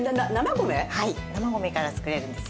生米から作れるんです。